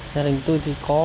gia đình tôi thì có